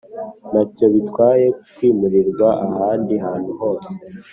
nacyo bitwaye kwimurirwa ahandi hantu hose